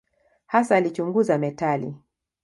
Hasa alichunguza metali.